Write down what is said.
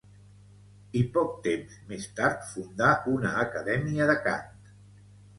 I poc temps més tard fundà una Acadèmia de cant.